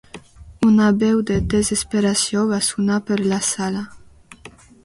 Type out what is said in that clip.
Una veu de desesperació va sonar per la sala.